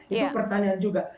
itu pertanyaan juga